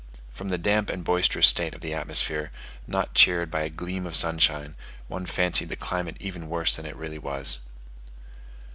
From the damp and boisterous state of the atmosphere, not cheered by a gleam of sunshine, one fancied the climate even worse than it really was.